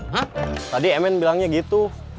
hah tadi mn bilangnya gitu